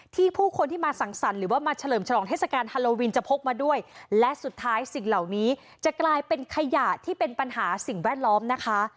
ผู้คนที่มาสั่งสรรค์หรือว่ามาเฉลิมฉลองเทศกาลฮาโลวินจะพกมาด้วยและสุดท้ายสิ่งเหล่านี้จะกลายเป็นขยะที่เป็นปัญหาสิ่งแวดล้อมนะคะ